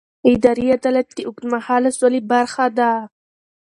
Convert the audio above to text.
اداري عدالت د اوږدمهاله سولې برخه ده